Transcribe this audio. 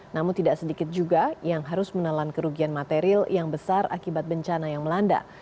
namun tidak sedikit juga yang harus menelan kerugian material yang besar akibat bencana yang melanda